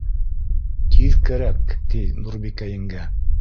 Тиҙ кәрәк, ти Нурбикә еңгә